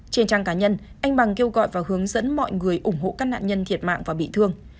trên trang cá nhân anh bằng kêu gọi và hướng dẫn mọi người ủng hộ các nạn nhân thiệt mạng và bị thương